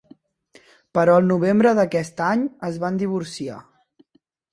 Però al novembre d'aquest any es van divorciar.